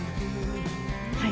はい。